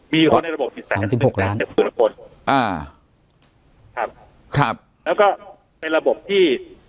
มีอยู่ในระบบสิบสามสิบหกล้านอ่าครับครับแล้วก็เป็นระบบที่